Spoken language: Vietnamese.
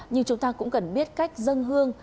nhưng chúng ta cũng cần biết cách dân hương